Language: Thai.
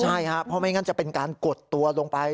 ใช่ครับเพราะไม่งั้นจะเป็นการกดตัวลงไป